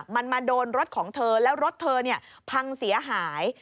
มันมาโดนรถของเธอแล้วรถเธอพังเสียหาย